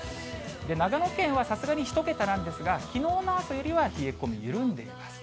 長野県はさすがに１桁なんですが、きのうの朝よりは冷え込み、緩んでいます。